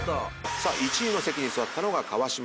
１位の席に座ったのが川島さん。